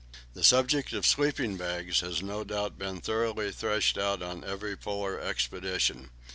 The subject of sleeping bags has no doubt been thoroughly threshed out on every Polar expedition.